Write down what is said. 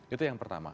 itu yang pertama